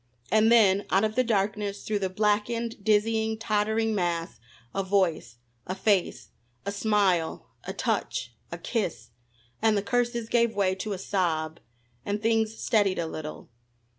And then, out of the darkness, through the blackened, dizzying, tottering mass a voice, a face, a smile, a touch, a kiss, and the curses gave way to a sob and things steadied a little.